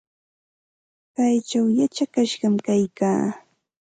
Kaychaw yachakashqam kaykaa.